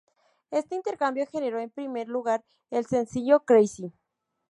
Este intercambio generó en primer lugar el sencillo "Crazy".